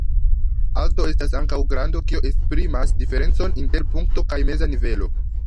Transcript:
Alto estas ankaŭ grando, kio esprimas diferencon inter punkto kaj meza nivelo.